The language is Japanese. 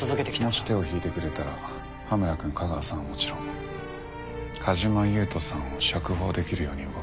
もし手を引いてくれたら羽村くん架川さんはもちろん梶間優人さんを釈放できるように動く。